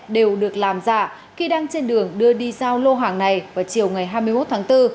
đều được làm giả khi đang trên đường đưa đi giao lô hàng này vào chiều ngày hai mươi một tháng bốn